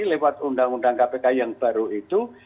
lewat undang undang kpk yang baru itu